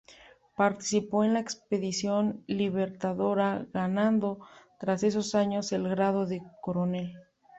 Participó en la expedición libertadora, ganando tras esos años el grado de Coronel.